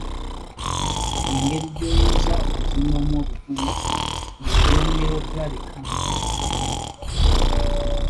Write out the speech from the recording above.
Engeri gy’oyinza okuzimbamu obuvumu ng’oyogera okulabika nga totya bantu.